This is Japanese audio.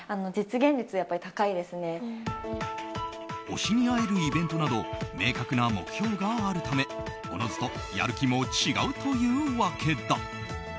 推しに会えるイベントなど明確な目標があるためおのずとやる気も違うというわけだ。